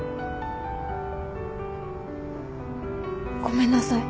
ごめんなさい。